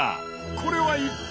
これは一体！？